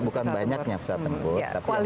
bukan banyaknya pesawat tempur